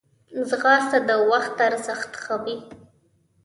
ځغاسته د وخت ارزښت ښووي